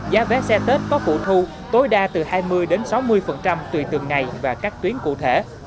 giá vé xe tết có phụ thu tối đa từ hai mươi sáu mươi tùy từng ngày và các tuyến cụ thể